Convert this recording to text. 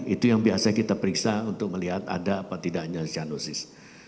itu yang biasa kita periksa untuk melihat ada apa tidaknya cyanosis